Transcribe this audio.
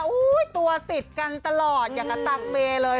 ตัวติดกันตลอดอย่างกับตังเมเลย